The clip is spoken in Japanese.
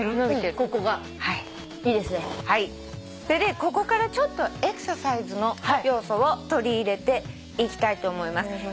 それでここからちょっとエクササイズの要素を取り入れていきたいと思います。